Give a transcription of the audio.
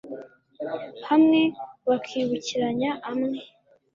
hamwe bakibukiranya amwe